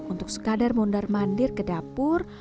untuk sekadar mondar mandir ke dapur